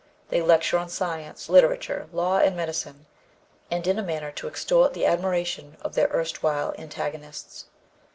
They lecture on science, literature, law and medicine, and in a manner to extort the admiration of their erstwhile antagonists.